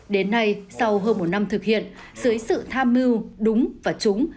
đến nay sau hơn một năm thực hiện dưới sự tham mưu đúng và trúng